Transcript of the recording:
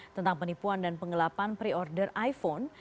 tentang penipuan dan pengelapan pre order iphone